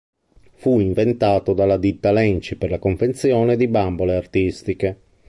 Fu inventato dalla ditta Lenci per la confezione di bambole artistiche.